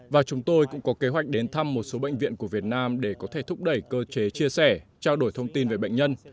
và chúng tôi cũng có kế hoạch đến thăm một số bệnh viện của việt nam để có thể thúc đẩy cơ chế chia sẻ trao đổi thông tin về bệnh nhân